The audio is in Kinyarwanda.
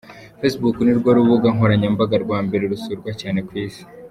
Facebook nirwo rubuga nkoranyambaga rwambere rusurwa cyane ku isi.